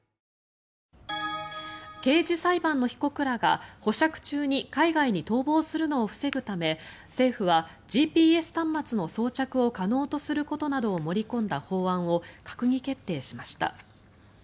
刑事裁判の被告らが保釈中に海外に逃亡するのを防ぐため政府は、ＧＰＳ端末の装着を可能とすることなどを盛り込んだ法案を閣議決定しました。